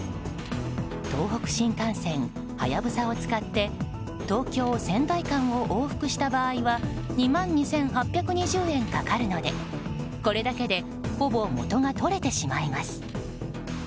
東北新幹線「はやぶさ」を使って東京仙台間を往復した場合は２万２８２０円かかるのでこれだけでほぼ元が取れてしまいます。